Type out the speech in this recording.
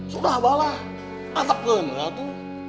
sudah balah atap kemurah itu